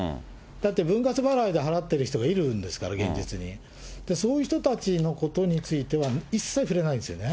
だって分割払いで払っている人がいるんですから、現実に、だからそういう人たちについては一切触れないですよね。